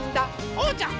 おうちゃん！